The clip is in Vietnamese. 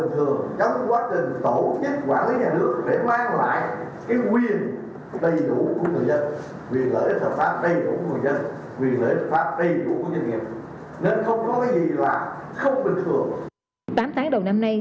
tám tháng đầu năm nay